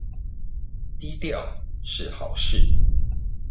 低調是好事